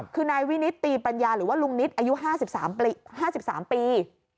คือนายวินิตตีปัญญาหรือว่าลุงนิตอายุ๕๓ปี